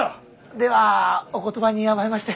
ではお言葉に甘えまして。